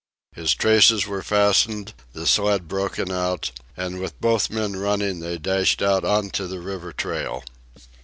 His traces were fastened, the sled broken out, and with both men running they dashed out on to the river trail.